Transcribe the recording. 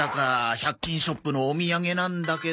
１００均ショップのお土産なんだけど。